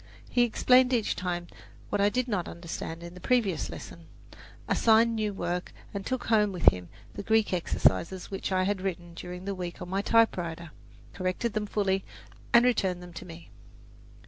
He explained each time what I did not understand in the previous lesson, assigned new work, and took home with him the Greek exercises which I had written during the week on my typewriter, corrected them fully, and returned them to me.